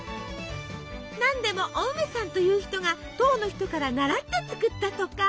何でもお梅さんという人が唐の人から習って作ったとか。